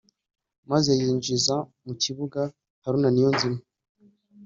maze yinjiza mu kibuga Haruna Niyonzima